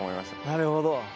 なるほど。